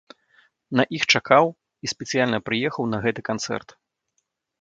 На іх чакаў, і спецыяльна прыехаў на гэты канцэрт.